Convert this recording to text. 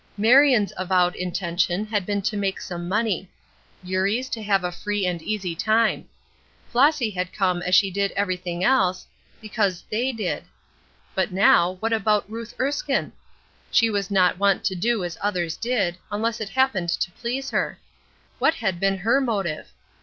Marion's avowed intention had been to make some money; Eurie's to have a free and easy time; Flossy had come as she did everything else, because "they" did. But now, what about Ruth Erskine? She was not wont to do as others did, unless it happened to please her. What had been her motive?